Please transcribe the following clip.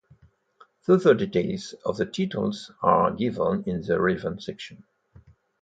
Further details of the titles are given in the relevant section.